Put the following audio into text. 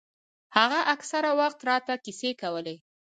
هغه اکثره وخت راته کيسې کولې.